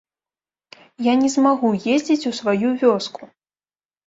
Я не змагу ездзіць у сваю вёску!